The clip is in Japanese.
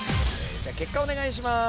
結果お願いします。